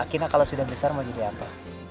kina kalau sudah besar mau jadi apa